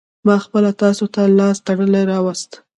ما خپله تاسو ته لاس تړلى راوستو.